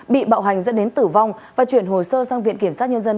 bị bạo hành dẫn đến tử vong và chuyển hồ sơ sang viện kiểm sát nhân dân